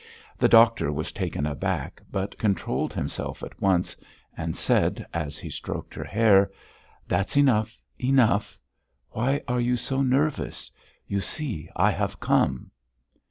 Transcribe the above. The doctor was taken aback, but controlled himself at once, and said, as he stroked her hair: "That's enough. Enough!... Why are you so nervous? You see, I have come."